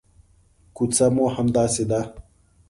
کوڅه مو همداسې ده.